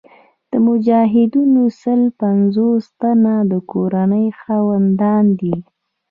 د مجاهدینو سل پنځوس تنه د کورنۍ خاوندان دي.